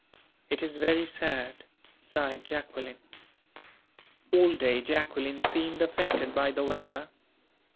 "It is very sad," sighed Jacqueline. All day Jacqueline seemed affected by the weather.